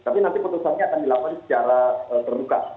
tapi nanti putusannya akan dilakukan secara terbuka